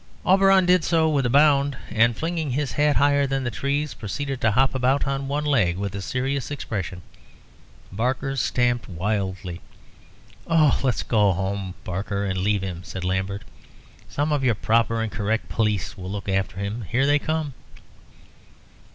Auberon did so with a bound, and flinging his hat higher than the trees, proceeded to hop about on one leg with a serious expression. Barker stamped wildly. "Oh, let's get home, Barker, and leave him," said Lambert; "some of your proper and correct police will look after him. Here they come!"